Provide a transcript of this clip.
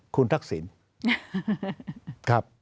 คุณทักศิลป์